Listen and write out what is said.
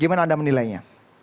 gimana anda menilainya